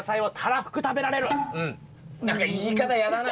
何か言い方やだな。